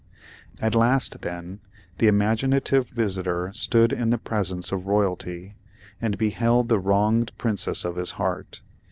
At last, then, the imaginative visitor stood in the presence of royalty, and beheld the wronged Princess of his heart.